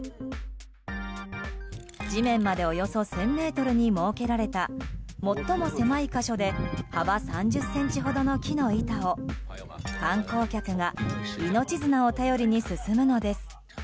地面までおよそ１０００ｍに設けられた最も狭い箇所で幅３０ｃｍほどの木の板を観光客が命綱を頼りに進むのです。